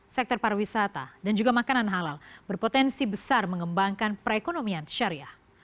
sektor pariwisata dan juga makanan halal berpotensi besar mengembangkan perekonomian syariah